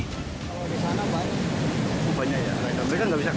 kalau di sana banyak